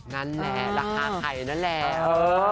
นั่นแหละราคาไข่นั่นแหละ